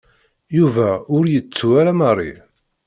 Yuba ur yettu ara Mary.